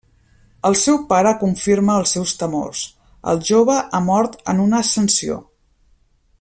El seu pare confirma els seus temors: el jove ha mort en una ascensió.